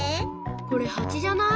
これハチじゃない？